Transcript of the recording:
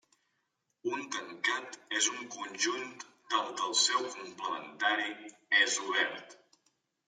Un tancat és un conjunt tal que el seu complementari és obert.